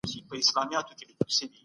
ډيموکراسۍ د استبدادي واکمنيو مخه ونيوله.